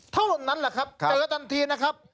เท่านั้นแหละครับเจอทันทีนะครับ